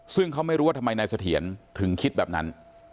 ซึ่งเขาไม่รู้ว่าทำไมนายเสถียรถึงคิดแบบนั้น